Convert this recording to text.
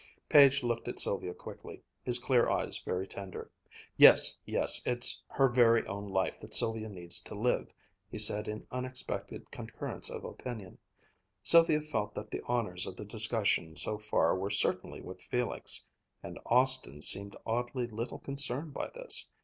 Page looked at Sylvia quickly, his clear eyes very tender. "Yes, yes; it's her very own life that Sylvia needs to live," he said in unexpected concurrence of opinion. Sylvia felt that the honors of the discussion so far were certainly with Felix. And Austin seemed oddly little concerned by this.